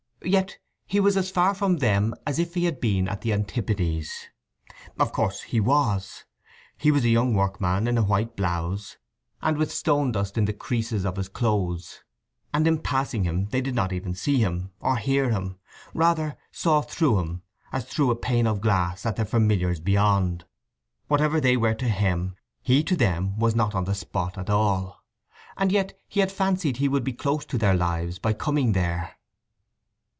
Yet he was as far from them as if he had been at the antipodes. Of course he was. He was a young workman in a white blouse, and with stone dust in the creases of his clothes; and in passing him they did not even see him, or hear him, rather saw through him as through a pane of glass at their familiars beyond. Whatever they were to him, he to them was not on the spot at all; and yet he had fancied he would be close to their lives by coming there.